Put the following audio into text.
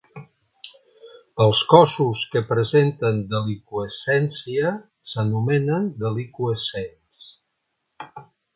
Els cossos que presenten deliqüescència s'anomenen deliqüescents.